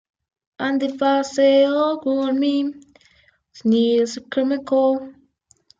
Fue el hijo de un trabajador alemán que había emigrado allí desde Turingia, Alemania.